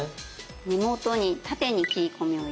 根元に縦に切り込みを入れる。